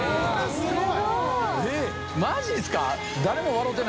すごいな。